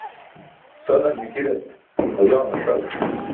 Sadan nikirat ġulaamar ṣabaṣ.